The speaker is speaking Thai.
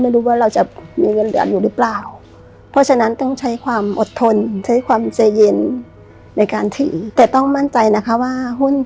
ถ้าเราไปตามอารมณ์ของหุ้น